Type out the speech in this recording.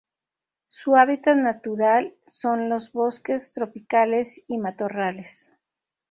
Su hábitat natural son los bosques tropicales y matorrales.